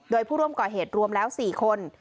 โดยผู้ร่วมก่อเหตุรวมแล้ว๔คน